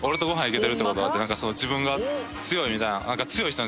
自分が強いみたいな。